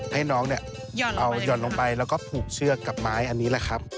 ให้น้องย่อนลงไปแล้วก็ผูกเชือกกับไม้อันนี้